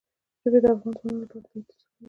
ژبې د افغان ځوانانو لپاره یوه دلچسپي لري.